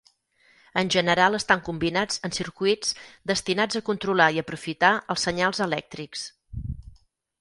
En general estan combinats en circuits destinats a controlar i aprofitar els senyals elèctrics.